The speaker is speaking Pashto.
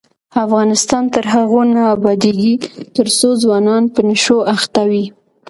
افغانستان تر هغو نه ابادیږي، ترڅو ځوانان په نشو اخته وي.